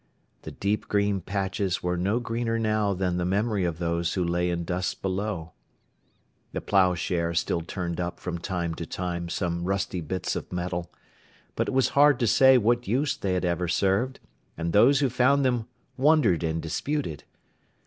The deep green patches were no greener now than the memory of those who lay in dust below. The ploughshare still turned up from time to time some rusty bits of metal, but it was hard to say what use they had ever served, and those who found them wondered and disputed.